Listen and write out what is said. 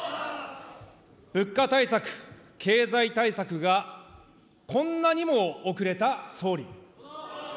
物価対策、経済対策がこんなにも遅れた総理。